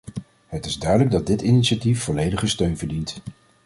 Het is duidelijk dat dit initiatief volledige steun verdient.